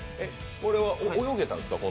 これは泳げたんですか？